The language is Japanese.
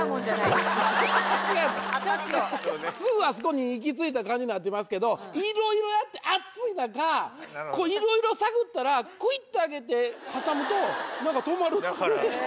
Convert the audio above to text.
違うんですよすぐあそこに行き着いた感じになってますけどいろいろやって暑い中いろいろ探ったらクイっと上げて挟むとなんか止まる。